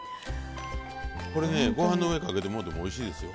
これねご飯の上にかけてもうてもおいしいですよ。